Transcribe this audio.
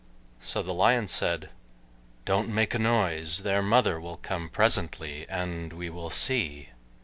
So the Lion said, "Don't make a noise; their mother will come presently, and we will see."